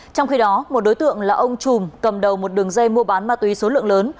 trong khi đó một đối tượng là ông chùm cầm đầu một đường dây mua bán ma túy số lượng lớn